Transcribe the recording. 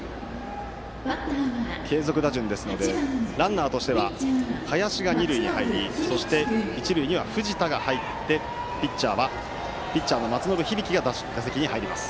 継続打順ですのでランナーとしては林が二塁に入りそして一塁には藤田が入ってピッチャーの松延響が打席に入ります。